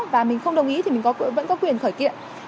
và mình không đồng ý thì mình vẫn có quyền khởi kiện